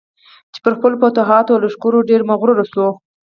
چې پر خپلو فتوحاتو او لښکرو ډېر مغرور شو.